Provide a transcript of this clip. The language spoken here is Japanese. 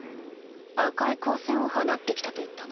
赤い光線を放って来たと言ったな。